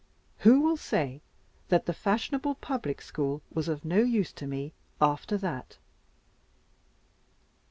Who will say that the fashionable public school was of no use to me after that?